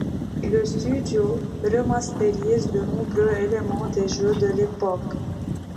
Le studio remastérise de nombreux éléments des jeux de l'époque.